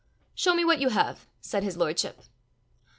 "Show me what you have," said his lordship.